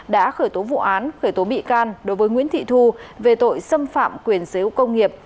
đã khởi tố vụ án khởi tố bị can đối với nguyễn thị thu về tội xâm phạm quyền xếu công nghiệp